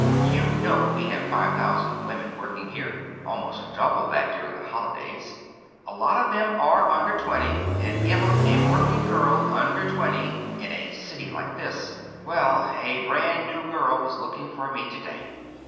You know we have five thousand women working here almost double that during the holidays. A lot of them are under twenty and, Emma, a working girl, under twenty, in a city like this Well, a brand new girl was looking for me today.